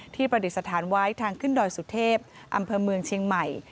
ประดิษฐานไว้ทางขึ้นดอยสุเทพอำเภอเมืองเชียงใหม่